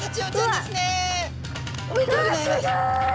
おめでとうございます。